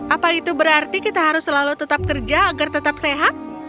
apa itu berarti kita harus selalu tetap kerja agar tetap sehat